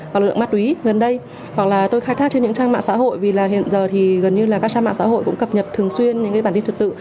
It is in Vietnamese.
và lượng ma túy gần đây hoặc là tôi khai thác trên những trang mạng xã hội vì là hiện giờ thì gần như là các trang mạng xã hội cũng cập nhật thường xuyên những cái bản tin thật tự